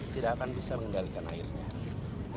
tidak akan bisa mengendalikan airnya